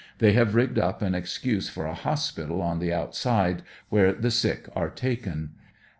They have rigged up an excuse for a hospital on the outside, where the sick are taken.